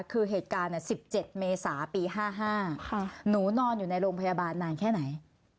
คือเหตุการณ์เนี้ยสิบเจ็ดเมษาปีห้าห้าค่ะหนูนอนอยู่ในโรงพยาบาลนานแค่ไหน